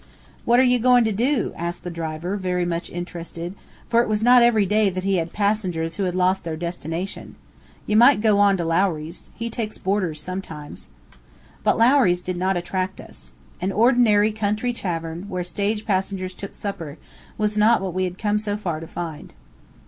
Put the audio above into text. "What are ye goin' to do?" asked the driver, very much interested, for it was not every day that he had passengers who had lost their destination. "Ye might go on to Lowry's. He takes boarders sometimes." But Lowry's did not attract us. An ordinary country tavern, where stage passengers took supper, was not what we came so far to find.